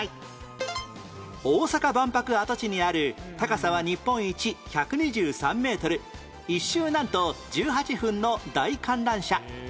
大阪万博跡地にある高さは日本一１２３メートル１周なんと１８分の大観覧車